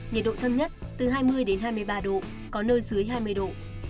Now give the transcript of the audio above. nhiệt độ thâm nhất từ hai mươi hai mươi ba độ có nơi dưới hai mươi độ